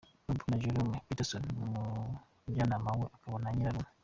Babou na Jerome Patterson, umujyanama we akaba na Nyirarume.